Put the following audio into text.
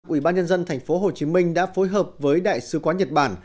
ủy ban nhân dân tp hcm đã phối hợp với đại sứ quán nhật bản